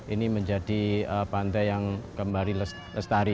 ini menjadi pantai yang kembali lestari